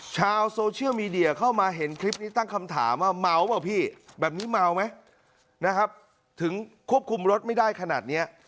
ชาวโซเชียลมีเดียเข้ามาเห็นคลิปนี้ตั้งคำถามว่าเมาป่ะพี่แบบนี้เมาไหมนะครับถึงควบคุมรถไม่ได้ขนาดเนี้ย